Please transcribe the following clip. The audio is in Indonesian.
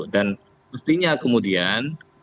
dan mestinya kemudian